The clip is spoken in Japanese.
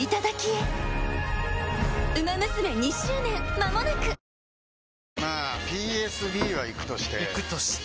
まあＰＳＢはイクとしてイクとして？